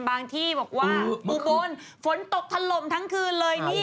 บางทีบวกว่าอุบรณฝนตกถล่มทังคืนเลยนี่๑๙๓๙